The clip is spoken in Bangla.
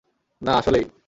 না, আসলেই।